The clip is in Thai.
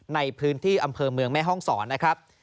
ในพื้นที่อำเภอเมืองแม่ห้องศรนะครับ